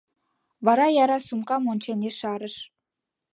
Вара яра сумкам ончен ешарыш: